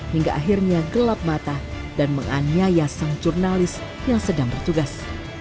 hingga akhirnya gelap mata dan menganiaya sang jurnalis yang sedang bertugas